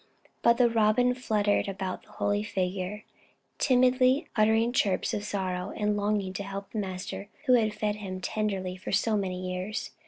But the Robin fluttered about the holy figure, timidly uttering chirps of sorrow and longing to help the Master who had fed him tenderly for so many years.